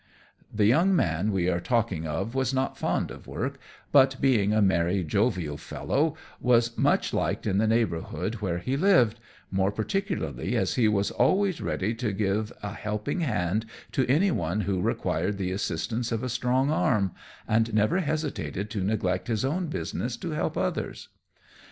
The young man we are talking of was not fond of work, but, being a merry, jovial fellow, was much liked in the neighbourhood where he lived, more particularly as he was always ready to give a helping hand to any one who required the assistance of a strong arm, and never hesitated to neglect his own business to help others.